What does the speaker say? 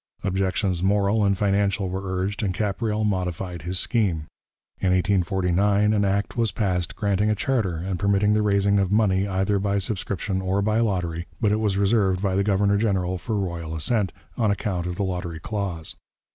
Objections moral and financial were urged, and Capreol modified his scheme. In 1849 an Act was passed granting a charter and permitting the raising of money either by subscription or by lottery, but it was reserved by the governor general for royal assent, on account of the lottery clause.